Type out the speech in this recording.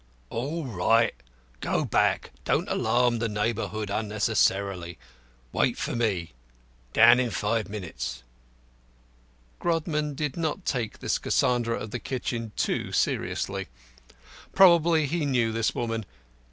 "All right; go back. Don't alarm the neighbourhood unnecessarily. Wait for me. Down in five minutes." Grodman did not take this Cassandra of the kitchen too seriously. Probably he knew his woman.